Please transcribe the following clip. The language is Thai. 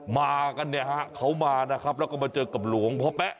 มากันเขามานะครับแล้วก็มาเจอกับหลวงพระแป๊ะ